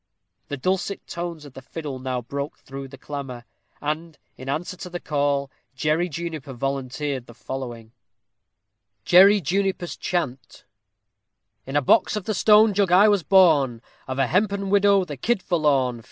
The dulcet notes of the fiddle now broke through the clamor; and, in answer to the call, Jerry Juniper volunteered the following: JERRY JUNIPER'S CHANT In a box of the stone jug I was born, Of a hempen widow the kid forlorn.